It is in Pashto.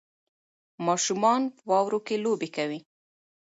ماشومان په واورو کې لوبې کوي